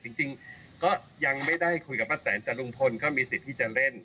จริงก็ยังไม่ได้คุยกับป้าแตนแต่ลุงพลก็มีสิทธิ์ที่จะเล่น